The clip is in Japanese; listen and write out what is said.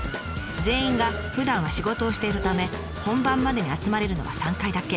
全員がふだんは仕事をしているため本番までに集まれるのは３回だけ。